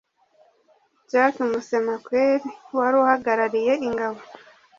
Jack Musemakweli wari uhagarariye ingabo